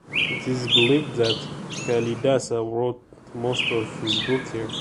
It is believed that Kalidasa wrote most of his books here.